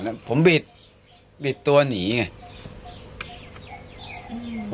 แทงผมก่อนผมบีดปิดตัวหนีไง